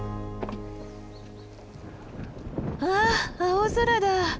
わあ青空だ。